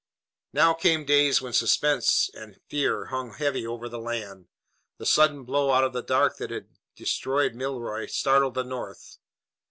Now came days when suspense and fear hung heavy over the land. The sudden blow out of the dark that had destroyed Milroy startled the North.